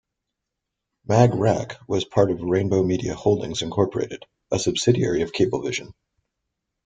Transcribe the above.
Mag Rack was part of Rainbow Media Holdings, Incorporated a subsidiary of Cablevision.